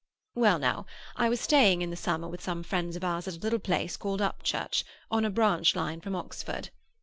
"Well now, I was staying in the summer with some friends of ours at a little place called Upchurch, on a branch line from Oxford.